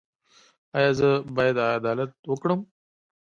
ایا زه باید عدالت وکړم؟